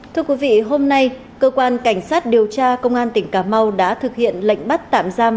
thưa quý vị hôm nay cơ quan cảnh sát điều tra công an tỉnh cà mau đã thực hiện lệnh bắt tạm giam